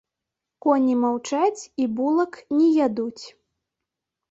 Коні маўчаць, і булак не ядуць.